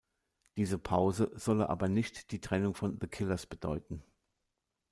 Diese Pause solle aber nicht die Trennung von The Killers bedeuten.